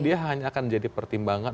dia hanya akan jadi pertimbangan